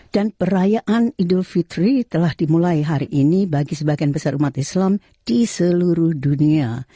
dan perayaan idul fitri telah dimulai hari ini bagi sebagian besar umat islam di seluruh dunia